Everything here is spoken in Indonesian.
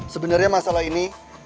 sebenernya masalah ini